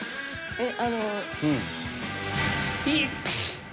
えっ！